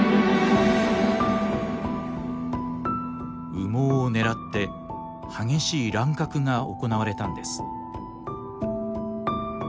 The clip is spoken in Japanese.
羽毛を狙って激しい乱獲が行われたんです。